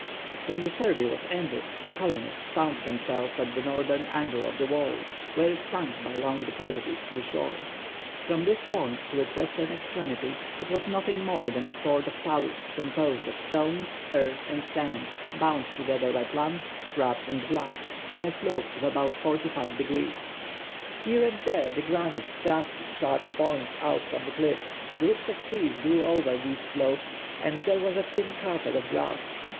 When the survey was ended the colonists found themselves at the northern angle of the wall, where it sunk by long declivities to the shore. From this point to its western extremity it was nothing more than a sort of talus composed of stones, earth, and sand bound together by plants, shrubs, and grass, in a slope of about 45°. Here and there the granite thrust its sharp points out from the cliff. Groups of trees grew over these slopes and there was a thin carpet of grass.